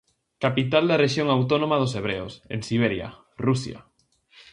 Capital da rexión autónoma dos Hebreos, en Siberia, Rusia.